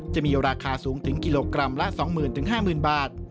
จะมีราคาสูงถึงกิโลกรัมละ๒๐๐๐๕๐๐บาท